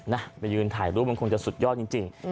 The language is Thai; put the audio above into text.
นะไปยืนถ่ายรูปมันคงจะสุดยอดจริง